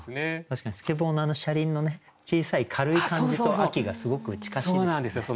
確かにスケボーのあの車輪のね小さい軽い感じと秋がすごく近しいですよね。